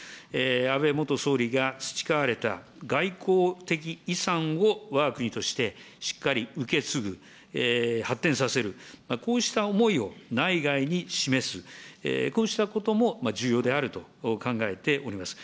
安倍元総理が培われた外交的遺産をわが国としてしっかり受け継ぐ、発展させる、こうした思いを内外に示す、こうしたことも重要であると考えております。